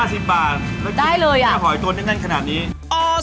๑๕๐บาทแล้วกินแหละหอยตัวแน่นขนาดนี้ได้เลย